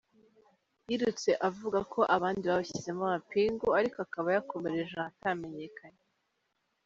Yirutse avuga ko abandi babashyizemo amapingu, ariko akaba yakomereje ahatamenyekanye.